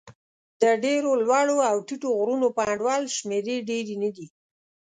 د ډېرو لوړو او ټیټو غرونو په انډول شمېرې ډېرې نه دي.